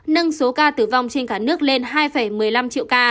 nâng số ca tử vong trên cả nước lên hai một mươi năm triệu ca